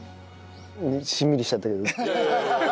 しんみりしちゃったけど。